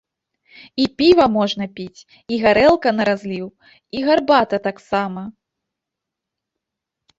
І піва можна піць, і гарэлка на разліў, і гарбата таксама!